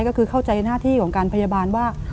ก็คือเข้าใจหน้าที่ของการพยาบาลว่า